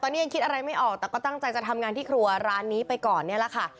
ตอนนี้ยังคิดอะไรไม่ออกแต่ก็ตั้งใจจะทำงานที่ครัวร้านนี้ไปก่อนเนี่ยแหละค่ะ